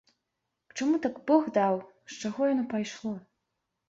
К чаму так бог даў, з чаго яно пайшло?